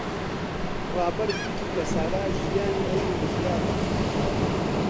ڕابەر گوتی کە سارا ژیانی ئەوی ڕزگار کرد.